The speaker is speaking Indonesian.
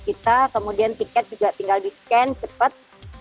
kita kemudian tiket juga tinggal di scan cepat